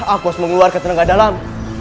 aku harus mengeluarkan tenaga dalam